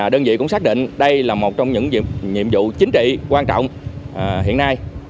đơn vị cũng xác định đây là một trong những nhiệm vụ chính trị quan trọng hiện nay